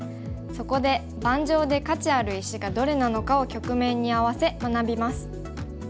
そこで盤上で価値ある石がどれなのかを局面に合わせ学びます。